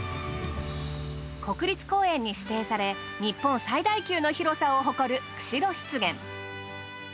国立公園に指定され日本最大級の広さを誇る釧路湿原。